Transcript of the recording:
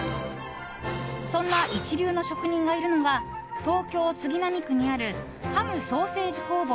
そんな一流の職人がいるのが東京・杉並区にあるハムソーセージ工房